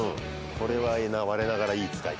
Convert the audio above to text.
これはわれながらいい使い方。